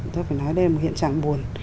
tôi phải nói đây là một cái hiện trạng buồn